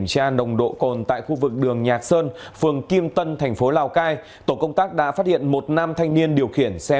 sơn phường kim tân thành phố lào cai tổ công tác đã phát hiện một nam thanh niên điều khiển xe